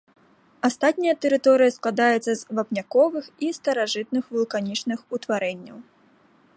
Астатняя тэрыторыя складаецца з вапняковых і старажытных вулканічных утварэнняў.